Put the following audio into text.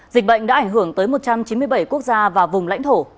dịch bệnh đã ảnh hưởng tới một trăm chín mươi bảy quốc gia và vùng lãnh thổ